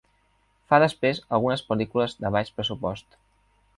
Fa després algunes pel·lícules de baix pressupost.